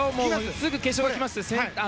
すぐ決勝が来ます。